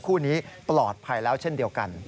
คู่นี้ปลอดภัยแล้วเช่นเดียวกัน